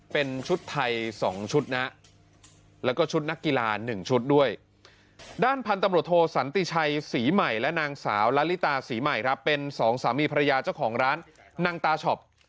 เป็นชุดไทย๒ชุดนะแล้วก็ชุดนักกีฬาหนึ่งชุดด้วยด้านพันธุ์ตำรวจโทสันติชัยศรีใหม่และนางสาวละลิตาศรีใหม่ครับเป็นสองสามีภรรยาเจ้าของร้านนางตาช็อป